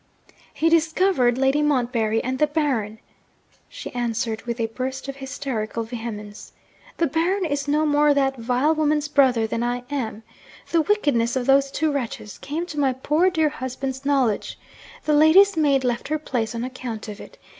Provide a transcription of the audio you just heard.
'He discovered Lady Montbarry and the Baron!' she answered, with a burst of hysterical vehemence. 'The Baron is no more that vile woman's brother than I am. The wickedness of those two wretches came to my poor dear husband's knowledge. The lady's maid left her place on account of it.